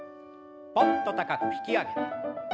ぽんと高く引き上げて。